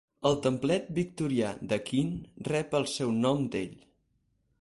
El templet victorià de Keene rep el seu nom d'ell.